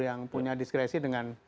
yang punya diskresi dengan